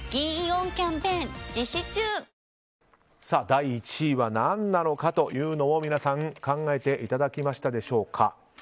第１位は、何なのかというのを皆さん考えていただけましたでしょうか。